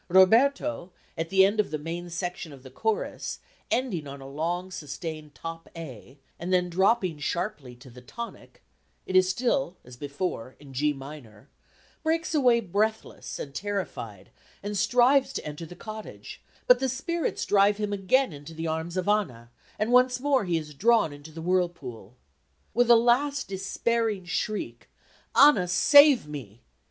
Roberto, at the end of the main section of the chorus, ending on a long sustained top A, and then dropping sharply to the tonic (it is still as before in G minor), breaks away breathless and terrified and strives to enter the cottage; but the spirits drive him again into the arms of Anna, and once more he is drawn into the whirlpool. With a last despairing shriek, "Anna, save me!"